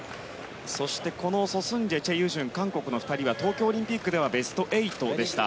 そして、ソ・スンジェチェ・ユジュンという韓国の２人は東京オリンピックではベスト８でした。